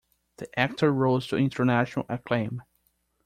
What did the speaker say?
The actor rose to international acclaim.